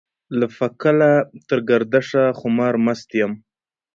له فکله تر ګردشه خمار مست يم.